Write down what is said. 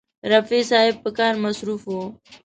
رفیع صاحب په کار مصروف و.